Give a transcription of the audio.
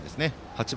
８番